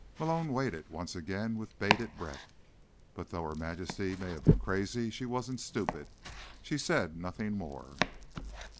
Malone waited, once again, with bated breath. But, though Her Majesty may have been crazy, she wasn't stupid. She said nothing more.